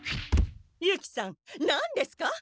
ユキさん何ですか？